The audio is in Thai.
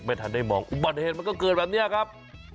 ทันได้มองอุบัติเหตุมันก็เกิดแบบนี้ครับ